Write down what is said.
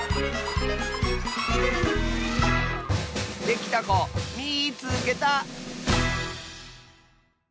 できたこみいつけた！